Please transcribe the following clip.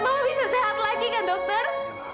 mau bisa sehat lagi kan dokter